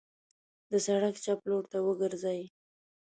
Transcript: د سړک چپ لورته وګورئ.